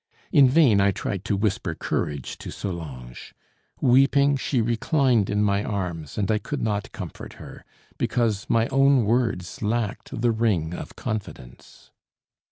In vain I tried to whisper courage to Solange. Weeping, she reclined in my arms, and I could not comfort her, because my own words lacked the ring of confidence.